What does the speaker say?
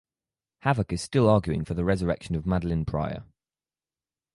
Havok is still arguing for the resurrection of Madelyne Pryor.